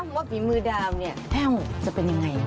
ว่าฝีมือดาวเนี่ยแพ่วจะเป็นยังไง